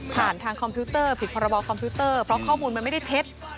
ทางคอมพิวเตอร์ผิดพรบคอมพิวเตอร์เพราะข้อมูลมันไม่ได้เท็จ